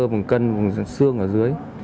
vùng cân vùng xương ở dưới